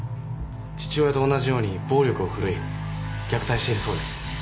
父親と同じように暴力を振るい虐待しているそうです。